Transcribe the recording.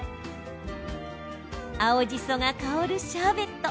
青じそが香るシャーベット。